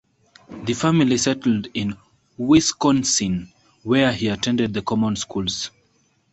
The family settled in Wisconsin where he attended the common schools.